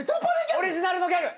オリジナルのギャグ。